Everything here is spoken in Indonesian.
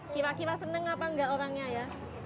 kira kira seneng apa enggak orangnya ya